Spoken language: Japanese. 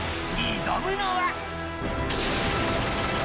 挑むのは。